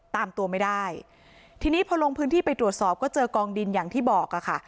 ตามตัวไม่ได้ทีนี้พอลงพื้นที่ไปตรวจสอบก็เจอกองดินอย่างที่บอกอ่ะค่ะ